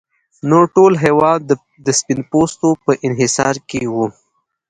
نور ټول هېواد د سپین پوستو په انحصار کې و.